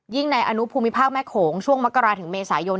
ในอนุภูมิภาคแม่โขงช่วงมกราศถึงเมษายน